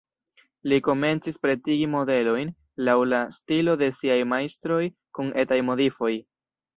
Li komencis pretigi modelojn laŭ la stilo de siaj majstroj, kun etaj modifoj.